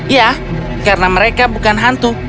ya karena mereka bukan hantu